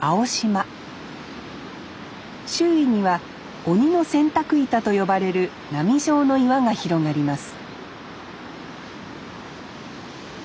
周囲には「鬼の洗濯板」と呼ばれる波状の岩が広がります